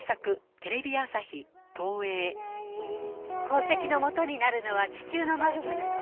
宝石のもとになるのは地中のマグマなの。